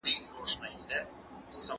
څېړنه د ډېرو او لږو غوښې خوړونکو ترمنځ شوې.